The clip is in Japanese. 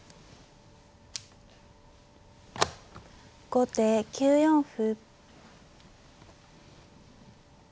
後手９四歩。